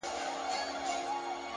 چـي اخترونـه پـه واوښـتــل.!